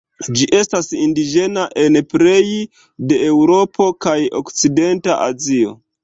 Ĝi estas indiĝena en plej de Eŭropo kaj okcidenta Azio.